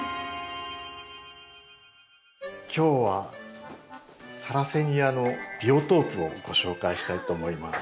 今日はサラセニアのビオトープをご紹介したいと思います。